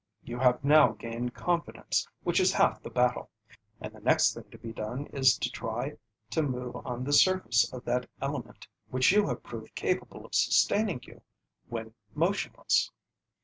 You have now gained confidence, which is half the battle, and the next thing to be done is to try to move on the surface of that element which you have proved capable of sustaining you when motionless.